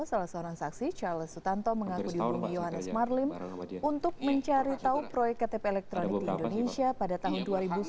salah seorang saksi charles sutantom mengaku di rumah yohannes marlim untuk mencari tahu proyek ktp elektronik di indonesia pada tahun dua ribu sepuluh